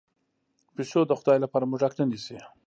پیشو د خدای لپاره موږک نه نیسي.